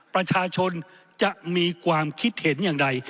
ประชาชนจะมีความคิดเห็นอย่างไร